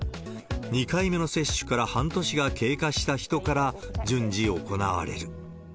２回目の接種から半年が経過した人から、順次行われる。